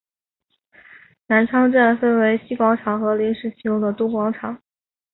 南昌站分为西广场和临时启用的东广场。